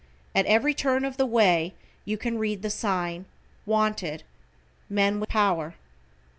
At every turn of the way, you can read the sign: "Wanted. Men with Power."